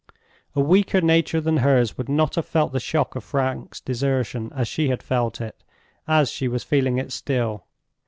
A weaker nature than hers would not have felt the shock of Frank's desertion as she had felt it—as she was feeling it still.